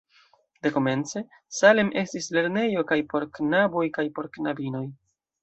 Dekomence Salem estis lernejo kaj por knaboj kaj por knabinoj.